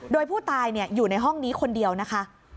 โดยผู้ตายอยู่ในห้องนี้คนเดียวนะคะ